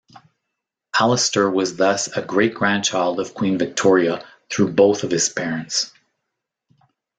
Alastair was thus a great-grandchild of Queen Victoria through both of his parents.